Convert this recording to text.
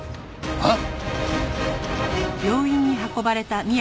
はっ！